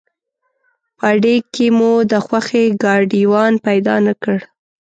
په اډې کې مو د خوښې ګاډیوان پیدا نه کړ.